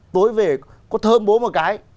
tối về có thơm bố một cái